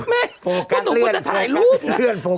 โฟกัสเลื่อนโฟกัสเลื่อน